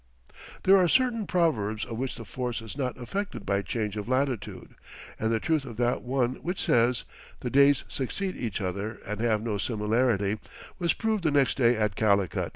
] There are certain proverbs of which the force is not affected by change of latitude, and the truth of that one which says, "The days succeed each other and have no similarity," was proved the next day at Calicut.